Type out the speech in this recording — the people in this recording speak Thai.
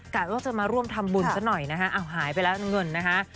ะว่าจะมาร่วมทำบุญซะหน่อยนะฮะอ้าวหายไปแล้วน้ำเงินนะคะ